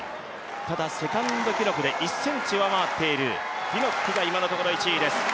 ただセカンド記録で１ｃｍ上回っているピノックが今のところ１位です。